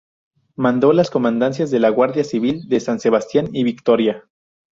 Mandó las Comandancias de la Guardia Civil de San Sebastián y Vitoria.